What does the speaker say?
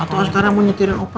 atau asgara mau nyetirin opa